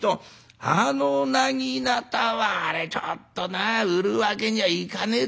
あのなぎなたはあれちょっとな売るわけにはいかねえだ」。